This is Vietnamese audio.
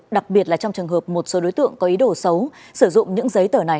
đặc biệt là trong trường hợp một số đối tượng có ý đồ xấu sử dụng những giấy tờ này